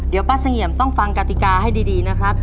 เดี๋ยวป้าเสงี่ยมต้องฟังกติกาให้ดีนะครับ